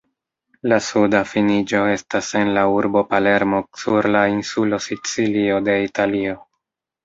La suda finiĝo estas en la urbo Palermo sur la insulo Sicilio de Italio.